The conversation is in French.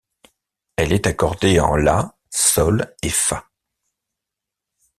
Elle est accordée en la, sol et fa.